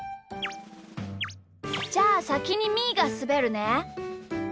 じゃあさきにみーがすべるね。